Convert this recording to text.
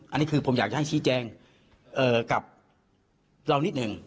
อันนี้คือผมอยากจะให้ชี้แจงกับเรานิดหนึ่ง